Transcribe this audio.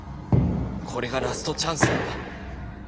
これがラストチャンスなんだ。